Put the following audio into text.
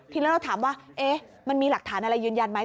เราถามว่ามันมีหลักฐานอะไรยืนยันไหม